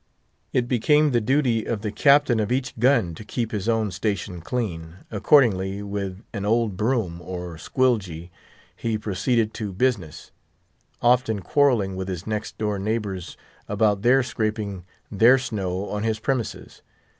It became the duty of the captain of each gun to keep his own station clean; accordingly, with an old broom, or "squilgee," he proceeded to business, often quarrelling with his next door neighbours about their scraping their snow on his premises.